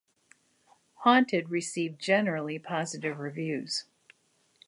"Haunted" received generally positive reviews.